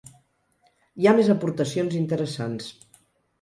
Hi ha més aportacions interessants.